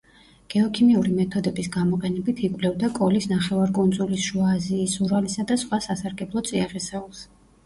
გეოქიმიური მეთოდების გამოყენებით იკვლევდა კოლის ნახევარკუნძულის, შუა აზიის, ურალისა და სხვა სასარგებლო წიაღისეულს.